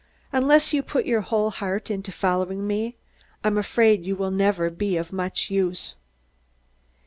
Unless you put your whole heart into following me, I'm afraid you will never be of much use."